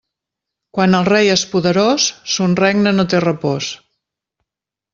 Quan el rei és poderós, son regne no té repòs.